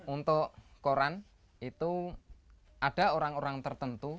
untuk koran itu ada orang orang tertentu